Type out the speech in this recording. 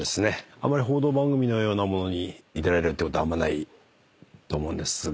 あまり報道番組のようなものに出られるってことはないと思うんですが。